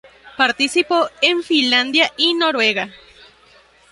Participó en Finlandia y Noruega.